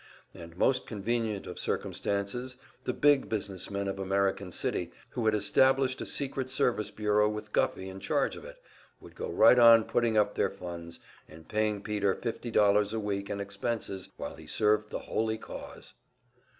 And most convenient of circumstances the big business men of American City, who had established a secret service bureau with Guffey in charge of it, would go right on putting up their funds, and paying Peter fifty dollars a week and expenses while he served the holy cause!